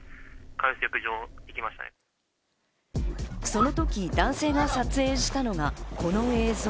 その時、男性が撮影したのがこの映像。